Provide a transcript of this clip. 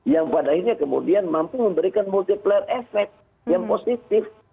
yang pada akhirnya kemudian mampu memberikan multiplier efek yang positif